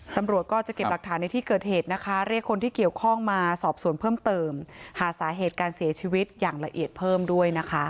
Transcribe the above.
ตำรวจก็จะเก็บหลักฐานในที่เกิดเหตุนะคะเรียกคนที่เกี่ยวข้องมาสอบสวนเพิ่มเติมหาสาเหตุการเสียชีวิตอย่างละเอียดเพิ่มด้วยนะคะ